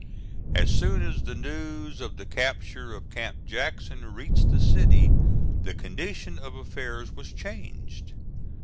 As soon as the news of the capture of Camp Jackson reached the city the condition of affairs was changed.